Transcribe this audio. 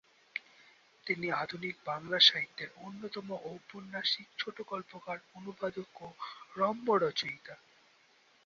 তিনি আধুনিক বাংলা সাহিত্যের অন্যতম ঔপন্যাসিক, ছোটগল্পকার, অনুবাদক ও রম্যরচয়িতা।